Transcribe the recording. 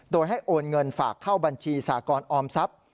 โดยให้โอนเงินฝากเข้าบัญชีสากรออมทรัพย์